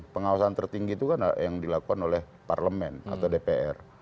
pengawasan tertinggi itu kan yang dilakukan oleh parlemen atau dpr